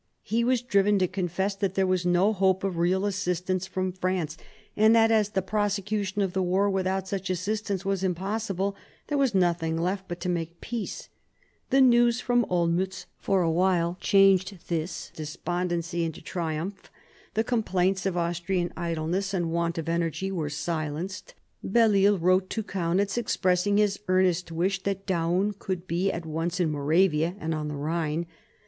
He was driven to confess that there was no hope of real assistance from France, and that as the prosecution of the war without such assistance was impossible, there was nothing left but to make peace. The news from Olmiitz for a while changed this despondency into triumph, the complaints of Austrian idleness and want 150 MARIA THERESA chap, vii of energy were silenced. Belleisle wrote to Kaunitz, expressing his earnest wish that Daun could be at once in Moravia and on the Ehine.